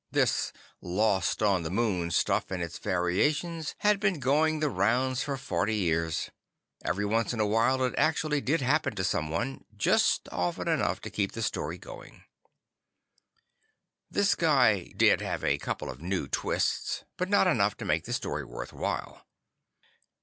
This "lost on the moon" stuff and its variations had been going the rounds for forty years. Every once in a while, it actually did happen to someone; just often enough to keep the story going. This guy did have a couple of new twists, but not enough to make the story worthwhile.